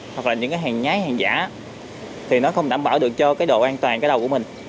hoặc là những cái hàng nhái hàng giả thì nó không đảm bảo được cho cái độ an toàn cái đầu của mình